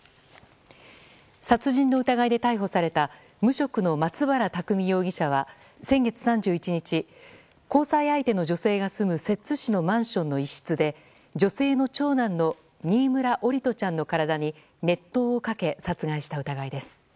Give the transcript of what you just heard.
殺人の疑いで逮捕された無職の松原拓海容疑者は先月３１日交際相手の女性が住む摂津市のマンションの一室で女性の長男の新村桜利斗ちゃんの体に熱湯をかけ、殺害した疑いです。